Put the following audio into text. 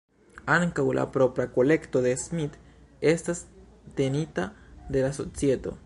Ankaŭ la propra kolekto de Smith estas tenita de la Societo.